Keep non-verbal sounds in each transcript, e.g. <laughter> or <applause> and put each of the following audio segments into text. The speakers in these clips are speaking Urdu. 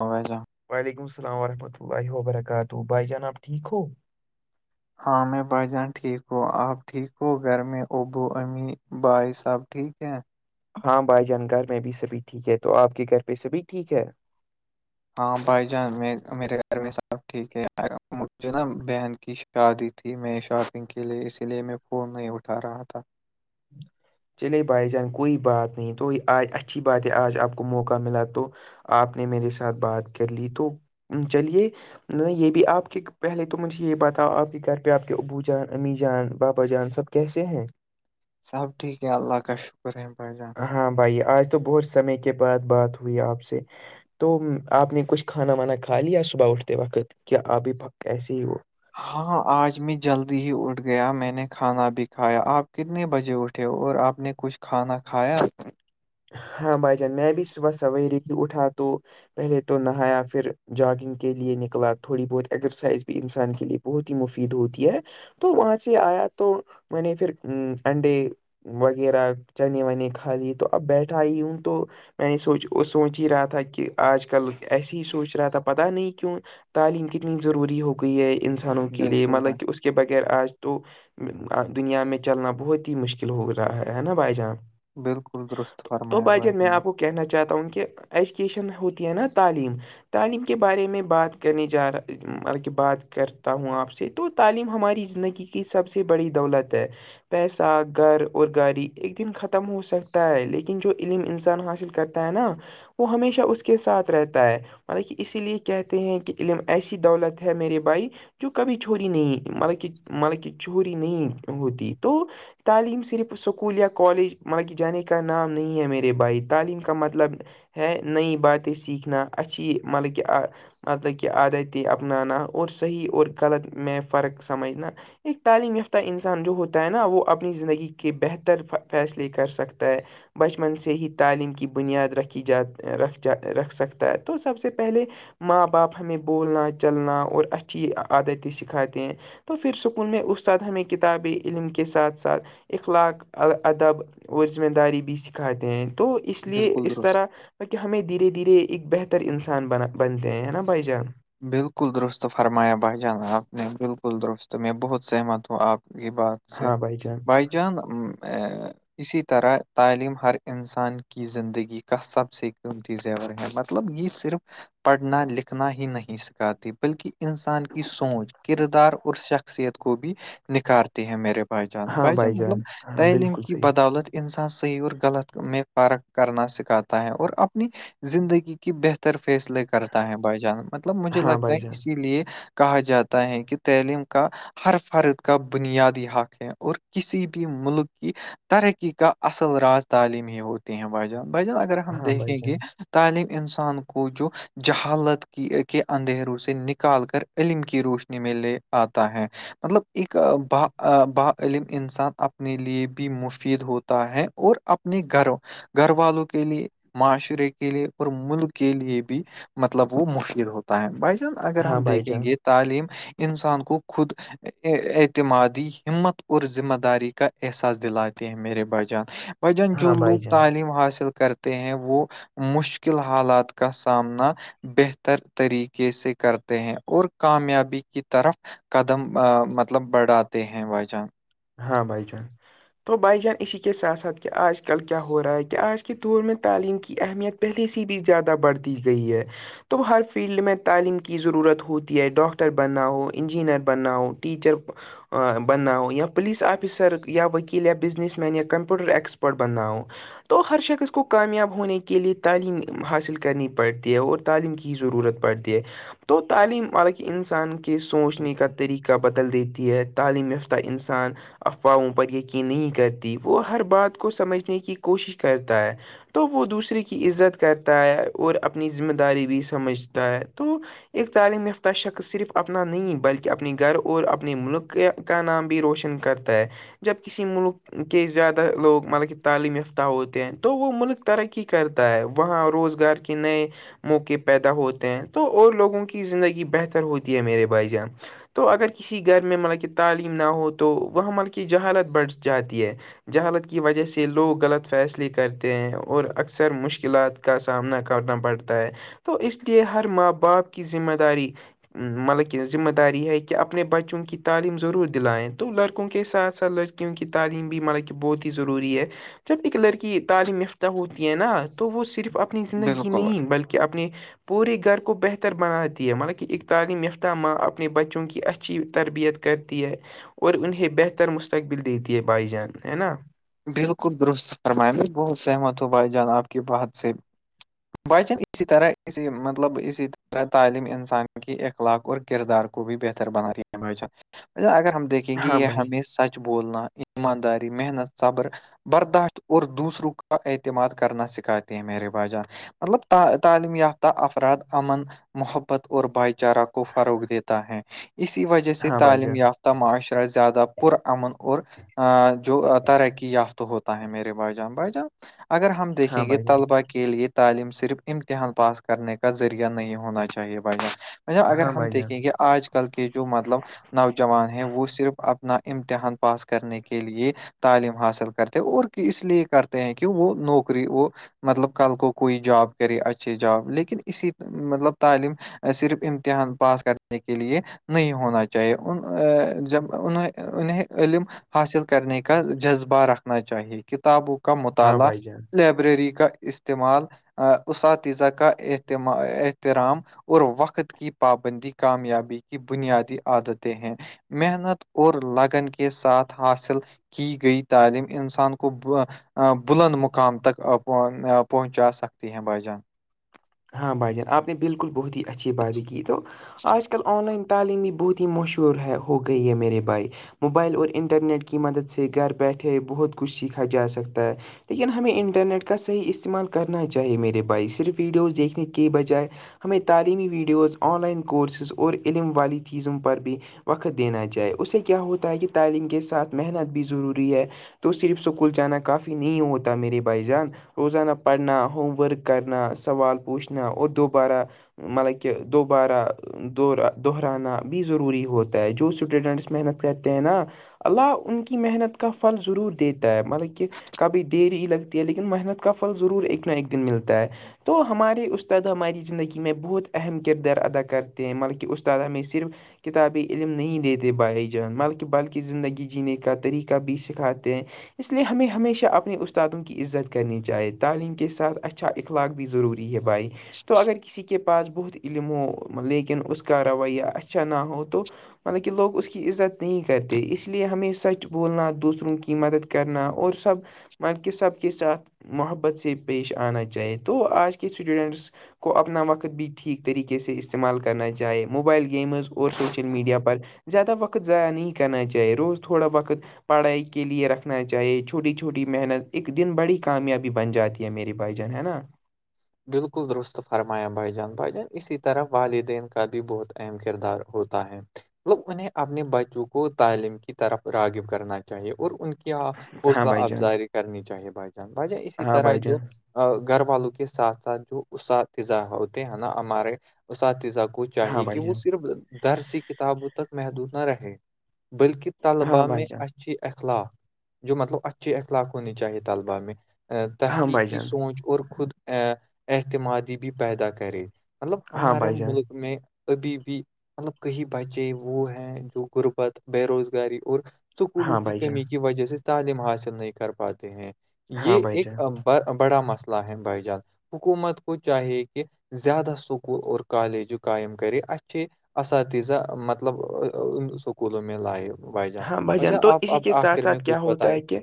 ہوگسا وعلیکم السلام ورحمۃ اللہ و ببرکاتہ بھائی جان آب ٹھیک ہو ہاں میں بھائی جان ٹھیک ہوں آپ ٹھیک ہو گھر میں ابو امی بھائی صب ٹھیک ہیں ہاں بھائی جان گھر میں بھی سبھی ٹھیک ہے تو آپ کے گھر پہ سبھی ٹھیک ہے ہاں بھائی جان میں میرے گھر میں سب ٹھیک ہے مجھے نا بین کی چاہادی تھی میں شاپنگ کے لیے اسی لیے میں فون نہیں اٹھا رہا تھا <unintelligible> چلے بھائی جان کوئی بات نہیں تو آج اچھی بات ہے آج آپ کو موقع ملا تو آپ نے میرے ساتھ بات کر لی تو چلیے نہیں یہ بھی آپ کے پہلے تو مجھے یہی پتاہ آپ کے گھر پہ آپ کے ابو جان امی جان بابا جان سب کیسے ہیں سب ٹھیک ہے اللہ کا شکر ہے بھ جان ہاں بھائی آج تو بہت سمے کے بعد بات ہوئی ہے آپ سے تو آپ نے کچھ کھانا وانا کھا لیا صبح اٹھتے وقت کہ آپ بھی پ ایسے ہی ہو ہاں آج میں جلدی ہی اٹھ گیا میں نے کھانا بھی کایا آپ کتنے بجے اٹھ تھے اور آپ نے کچھ کھانا کھایا ہاں بھائی جان میں بھی صبح سوے ہی اٹھا تو پہلے تو نہایا پھر جگنگ کے لے نکلا تھوڑی بہت ایکسرسائز بھی انسان کے لے بہت ہی مفید ہوتی ہے تو وہاں سے آیا تو میں نے پھر انڈے وغیرہ چنے ونے کھا لیے تو اب بیٹھا ہی ان تو میں نے سوچ سوچ ہی رہا تھا کہ آج کل ایسے ہی سوچ رہا تھا پت نہیں کیوں تعلیم کتنی ضروری ہو گئی ہے انسانوں کے لیے بالکل بھائی مطلب کہ اس اس کے بغیر آج تو دنیا میں چلنا بہت ہی مشکل ہو رہا ہے نا بھائی جان بالکل درست تو فرمایا با بھائی میں جانا آپ کو کہنا چاہتا ہوں کہ ایجوکیشن ہوتی ہے نا تعلیم تعلیم کے بارے میں بات کرنے جا رہاطل کہ بات کرتا ہوں آپ سے تو تعلیم ہماری زندگی کی سب سے بڑی دولت ہے پیسہ گھر اور گاڑی ایک دن ختم ہو سک ہے لیکن جو علم انسان حاصل کرتا ہے نا وہ ہمیشہ اس کے ساتھ رہتا ہے مطب کہ اسی لیے کہتے ہیں کہ علم ایسی دولت ہے میرے بھائی جو کبھی چھوری نہیں مطلب کہ مطلب کہ چھوری نہیں ہوتی تو تعلیم صرف اسکول یا کالج ماں جانے کے کا نام نہیں ہے میرے بھائی تعلیم کا مطلب ہے نئی باتیں سیکھنا اچھی مطلب کہ آ مطلب کہ عادتی اپنانا اور صحیح اور غلط میں فرق سمجھنا ایک تعلیم یافتہ انسان جو ہوتا ہے نا وہ اپنی زندگی کے بہتر فیصلے کر سکتا کہ بچپن سے ہی تعلیم کی بنیاد رکھی جا جا رکھ سکتا ہے تو سب سے پہلے ماں باپ ہمیں بولنا چلنا اور اچھی عادتیں سکھاتے ہیں تو پھر سکول میں استاد ہمیں کتاب علم کے ساتھ ساتھ اخلاق ال ادب ذمہ داری بھی سکھاتے ہیں تو اس لیے بالکل اس درست طرح بکہ ہمیں دھیرے دھیرے ایک بہتر انسان بنا بنتے ہیں ہے نا بھائی جان بالکل درست فرمایا بھائی جان آپ نے بالکل درست میں بہت سہمت ہوں آپ یہ بات سے ہاں بھائی جان بھائی جان ا اسی طرح تعلیم ہر انسان کی زندگی کا سب سے قیمتی چیزیں ہے مطلب یہ صرف پڑھنا لکھنا ہی نہیں سکھاتی بلکہ انسان کی سوچ کردار اور شخصیت کو بھی نکھارتی ہیں میرے بھائی جان ہاں بھائی جان مطلب ہاں تعلیم بالکل کی صحیح بدولت انسان صحیح اور غلط میں فارغ کرنا سکھاتا ہے اور اپنی زندگی کی بہتر فیصلے کرتا ہے بھائی جان مطلب مجھے ہاں لگتا بھائی ہے جان اسی لیے کہا جاتا ہے کہ تعلیم کا ہر فرد کا بنیادی حق ہے اور کسی بھی ملک کی ترقی کا اصل راز تعلیم ہی ہوتے ہیں بائیجان بان اگر ہم ہاں بھائی دیکھیں جان گے تعلیم انسان کو جو جہالت کے اندھیروں سے نکال کر علم کی روشنی میں لے آتا ہے مطلب ایک ب بعلم انسان اپنے لیے بھی مفید ہوتا ہے اور اپ ن گھرو گھر والوں کے لیے معاشرے کے لیے اور ملک کے لیے بھی مطلب وہ مفید ہوتا ہے بھائی جان اگر ہاں ہم بھائی دیکھیں جان گے تعلیم انسان کو خود اعتمادی ہمت اور ذمہ داری کا احساس دلاتے ہیں میرے بائی جان وجن جو ہاں لوگ بھائی جان تعلیم حاصل کرتے ہیں وہ مشکل حالات کا سامنا بہتر طریقے سے کرتے ہیں اور کامیابی کی طرف قدم مطلب بڑھاتے ہیں بھائی جان ہاں بھائی چان تو بھائی جان اسی کے ساتھ ساتھ کہ آج کل کیا ہو رہا ہے کہ آج کے دور میں تعلیم کی اہمیت پہلے سےی بھی زیادہ بڑھ دی گئی ہے تو ہر فیلڈ میں تعلیم کی ضرورت ہوتی ہے ڈاکٹر بننا ہو انجینئر بننا ہو ٹیچر ا بننا ہو یا پلیس آفسر وکیلیا بزنس مین کمپوٹر ایکسپرٹ بنناؤ تو ہر شخص کو کامیاب ہونے کے لئے تعلیم حاصل کرنی پڑتی ہے اور تعلیم کی ہی ضرورت پڑتی ہے تو تعلیم حانکہ انسان کی کے سوچنے کا طریقہ بدل دیتی ہے تعلیم یافتہ انسان افواہوں پر یقین نہیں کرتی وہ ہر بات کو سمجھنے کی کوشش کرتا ہے تو وہ دوسرے کی عزت کرتا ہے اور اپنی ذمہ داری بھی سمجھتا ہے تو ایک تعلیم یافتہ شکص صرف اپنا نہیں بلکہ اپنے گھر اور اپنے ملک کا نام بھی روشن کرتا ہے جب کسی ملک کے کہ زیادہ لوگ مطلب کہ تعلیم یافتہ ہوتے ہیں تو وہ ملک ترقی کرتا ہے وہاں روزگار کی نہیں موقعے پیدا ہوتے ہیں تو اور لوگوں کی زندگی بہتر ہوتی ہے میرے بھائی جان تو اگر کسی گھر میں مطلب کہ تعلیم نہ ہو تو وہاں مطلب کہ جہالت بڑھ جاتی ہے جہالت کی وجہ سے لوگ غلط فیصلے کرتے ہیں اور اکثر مشکلات کا سامنا کرنا پڑتا ہے تو اس لیے ہر ماں باپ کی ذمہ داری ملکن ذمہ داری ہے کہ اپنے بچوں کی تعلیم ضرور دلائیں تو لڑکوں کے ساتھ ساتھ لڑکیوں کی تعلیم بھی ہمارا کہ بہت ہی ضروری ہے جب ایک لڑکی تعلیم یافتہ ہوتی ہے نا تو وہ صرف اپنی زندگی بالکل نہیں بھائی- بلکہ اپنی پورے گھر کو بہتر بناتی ہے مطلب کہ ایک تعلیم یافتہ ماں اپنے بچوں کی اچھی تربیت کرتی ہے اور انہیں بہتر مستقبل دیتی ہے بھائی جان ہے نا بالکل درست فرما میں بہت سہمت ہوں بھائی جان آپ کی بات سے بچن اسی طرح اسی مطلب اسی طرح تعلیم انسان کی ایک اخق اور کردار کو بھی بہتر بنا رہی اگر ہم دیکھ کہ ہاں یہ بھائی ہمیں سچ بولنا ایمانداری محنت صبر برداشت اور دوسروں کا اعتماد کرنا سکھاتے ہیں م رواجان مطلب تعلیم یافتہ افراد امن محبت اور بھائی چارہ کو فروغ دیتا ہے اسی وجہ سے ہاں بھائی تعلیم جان یافتہ معاشرہ زیادہ پر اامن اور جو ترقی یافت ہوتا ہے میرے ب جان بھ جان اگر ہم ہاں دیکھیں گے بھائی جان طلبہ کے کے لیے تعلیم صرف امتحان پاس کرنے کا ذریعہ نہیں ہونا چاہیے بھائی مطب اگر ہاں ہم بھائی جان دیکھیں گے آج کل کے جو مطلب نوجوان ہیں وہ صرف اپنا امتحان پاس کرنے کے لیے تعلیم حاصل کرتے اور اس لیے کرتے ہیں کہ وہ نوکری وہ مطلب کل کو کوئی جاب کرے اچھی جاب لیکن اسی مطلب تعلیم صرف امتحان پاس کرنے کے لیے نہیں ہونا چاہیے ان جب انہ انہیں علم حاصل کرنے کے کا جذبہ رکھنا چاہیے کتابوں کا ہاں مطالعہ بھائی جان لائبریری کا استعمال اساتاتیذہ کا اتم احترام اور وقت کی پابندی کامیابی کی بنیادی عادتیں ہیں محنت اور لگن کے ساتھ حاصل کی گئی تعلیم انسان کو بلند مقام تک پہنچا سکتی ہیں بھائی جان ہاں بھائی جان آپ نے بالکل بہت ہی اچھی بات ہی کی تو آج کل آن لائن تعلیم بھی بہت ہی مشہور ہے ہو گئی ہے میرے بھائی موبائل اور انٹرنیٹ کی مدد سے گھر بیٹھے بہت کچھ سیکھا جا سکتا ہے لیکن ہمیں انٹرنیٹ کا صحیح استعمال کرنا چاہیے میرے بھائی صرف ویڈیوز دیکھنے کے بجائے ہمیں تعلیمی ویڈیوز آن لائن کورسز اور علم والی چیزوں پر بھی وقت دینا چائےے اس سے کیا ہوتا ہے کہ تعلیم کے ساتھ محنت بھی ضروری ہے تو صرف اسکول جانا کافی نہیں ہوتا میرے بھائی جان روزانہ پڑھنا ہوم ورک کرنا سوال پوچھنا اور دوبارہ مطلب کہ دوبارہ ا دوہرانا بھی ضروری ہوتا ہے جو اسٹوڈنٹس محنت کرتے ہیں نا اللہ ان کی محنت کا پھل ضرور دیتا ہے مطلب کہ کبھی دری لگتی ہے لیکن محنت کا فھل ضرور ایک نہ ایک دن ملتا ہے تو ہمارے استاد ہماری زندگی میں بہت اہم کردار ادا کرتے ہیں ملبکہ استاد ہم صرف کتابی علم نہیں دیتے بھائی جان ملک بلک زندگی جینے کا طریقہ بھی سکھاتے ہیں اس لیے ہمیں ہمیشہ اپنے استادوں کی عزت کرنی چاہیے تعلیم کے ساتھ اچھا اخلاق بھی ضرور بھائی تو اگر کسی کے کے پاس بہت علم ہو لیکن اس کا رویہ اچھا نہ ہو تو مطلب کہ لوگ اس کی عزت نہیں کرتے اس لیے ہمیں سچ بولنا دوسروں کی مدد کرنا اور سب مل کے سب کے ساتھ محبت سے پیش آنا چاہیے تو آج کے کتھ سوڈٹس کو اپنا وقت بھی ٹھیک طریقے سے استعمال کرنا چاہے موبائل گیمز اور سوشل میڈیا پر زیادہ وقت ضائع نہیں کرنا چاہیے روز تھوڑا وقت پڑھائی کے لے رکھنا چاہیے چھوٹی چھوٹی محنت ایک دن بڑی کامیابی بن جاتی یہ میری بھائی جان ہے نا بالکل درست فرمایا بھائی جان بھ جان اسی طرح والدین کا بھی بہت اہم کردار ہوتا ہے مطلب انہیں اپنے بچوں کو تعلیم کی طرف راغب کرنا چاہیے اور ان کی کیا ہاں حوصلہ بھائی جان افزائی کرنی چاہیے بھائی جان بھائی جان اسی ہاں طرح بھائی جو جان گھر والوں کے ساتھ ساتھ جو اساتذہ ہوتے ہیں ہے نا ہمارے اساتذہ کو ہاں چاہیے کہ بھائی وہ جان صرف در س کتابوں تک محدود نہ رہے بلکہ ہاں طلبا بھائی میں جان اچھی اخلاق جو مطلب اچھی اخلاق ہونی چاہیے طلبا میں ہاں بھائی تحقیقی جان سوچ اور خود اعتمادی بھی پیدا کرے مطلب ہاں ہمارے بھائی جان ملک میں ابھی بھی مطلب کہئی بچے وہ ہیں جو غربت بے اروزگاری اور سکولوں ہاں کی بھائی جان کمی کی وجہ سے تعلیم حاصل نہیں کر ننننپاتے ہیں ہاں یہ بھائی ایک جان ہ بڑا مسلہ ہےم بائی جار حکومت کو چاہے کہ زیادہ سکول اور کالج قائم کرے اچھے اساتذہ مطلب سکولوں میں لائف ہاں بھجن تو اسی کے ساتھ ساتھ کیا کچھ ہوتا بتائیں ہے کہ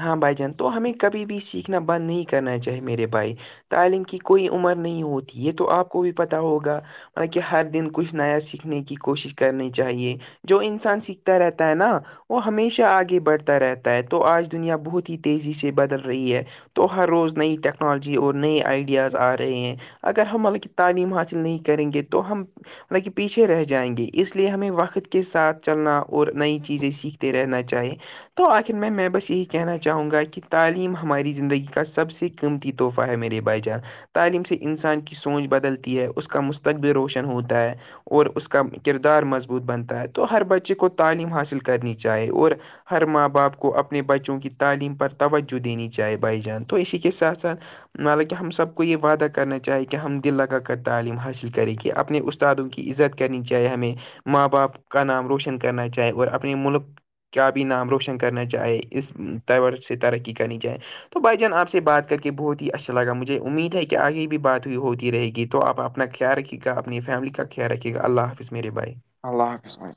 ہاں بھائی جان تو ہمیں کبھی بھی سیکھنا بند نہیں کرنا چاہیے میرے بھائی تعلیم کی کوئی عمر نہیں ہوتی یہ تو آپ کو بھی پتا ہوگا مط کہ ہر دن کچھ نیا سیکھنے کی کوشش کرنی چاہیے جو انسان س رہتا ہے نا وہ ہمیشہ آگے بڑھتا رہتا ہے تو آج دنیا بہت ہی تیزی سے بدل رہی ہے تو ہر روز نئی ٹیکنالوجی اور نئے آئیڈیاز آ رہے ہیں اگر ہم مل تعلیم حاصل نہیں کریں گے تو ہم مط کہ پیچھے رہ جائیں گے اس لیے ہمیں وقت کے ساتھ چلنا اور نئی چیزیں سیکھتے رہنا چاہیں تو آخر میں میں بس یہی کہنا چاہوں گا کہ تعلیم ہماری زندگی کا سب سے قیمتی تحفہ ہے میرے بچن تعلیم سے انسان کی سوچ بدلتی ہے اس کا مستقبل روشن ہوتا ہے اور اس کا کردار مضبوط بنتا ہے تو ہر بچے کو تعلیم حاصل کرنی چاہیے اور ہر ماں باپ کو اپنے بچوں کی تعلیم پر توجہ دینی چاہے بھائی جان تو اسی کے ساتھ ساتھ حالانکہ ہم سب کو یہ وعدہ کرنا چاہے کہ ہم دل لگا کر تعلیم حاصل کریں گی اپنے اس استادوں کی عزت کرنی چاہے ہمیں ماں باپ کا نام روشن کرنا چاہے اور اپنے ملک کیا بھی نام روشن کرنا چاہے اس طور سے ترقی کرنی چاہے تو بھائی جان آپ سے بات کر کے بہت ہی اچھا لگا مجھے امید ہے کہ آگے بھی بات ہوئی ہوتی رہے گی تو تو آپ اپنا خیال رکھیے گا اپنی فیملی کا خیال رھیے گا اللہ حافظ میرے بھائی اللہ حافظم